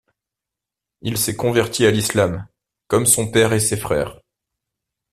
Il s'est converti à l'Islam, comme son père et ses frères.